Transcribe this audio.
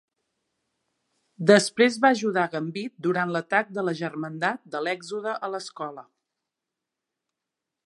Després va ajudar Gambit durant l'atac de la Germandat de l'Èxode a l'escola.